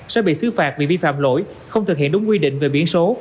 sẽ bị xứ phạt vì vi phạm lỗi không thực hiện đúng quy định về biển số